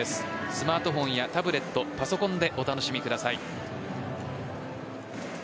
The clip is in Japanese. スマートフォンやタブレットパソコンでお楽しみください。